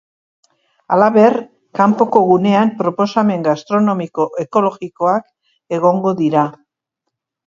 Halaber, kanpoko gunean proposamen gastronomiko ekologikoak egongo dira.